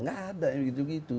gak ada gitu gitu